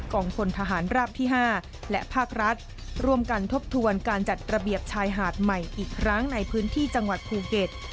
พลทหารราบที่๕และภาครัฐร่วมกันทบทวนการจัดระเบียบชายหาดใหม่อีกครั้งในพื้นที่จังหวัดภูเก็ต